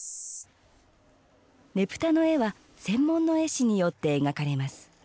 ねぷたの絵は専門の絵師によって描かれます。